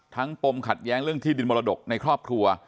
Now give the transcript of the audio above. ปมขัดแย้งเรื่องที่ดินมรดกในครอบครัว